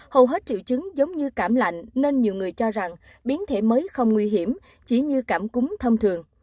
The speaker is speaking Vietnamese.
hầu hết triệu chứng giống như cảm lạnh nên nhiều người cho rằng biến thể mới không nguy hiểm chỉ như cảm cúm thông thường